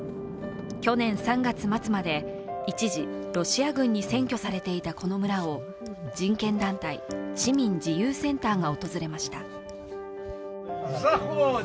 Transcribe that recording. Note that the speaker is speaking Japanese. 去年３月末まで一時、ロシア軍に占拠されていたこの村を人権団体、市民自由センターが訪れました。